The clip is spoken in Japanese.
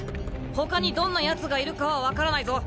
ほかにどんなヤツがいるかは分からないぞ。